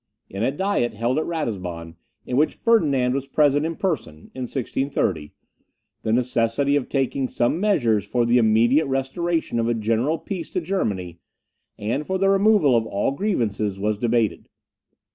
In a Diet held at Ratisbon, at which Ferdinand was present in person (in 1630), the necessity of taking some measures for the immediate restoration of a general peace to Germany, and for the removal of all grievances, was debated.